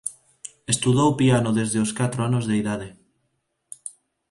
Estudou piano desde os catro anos de idade.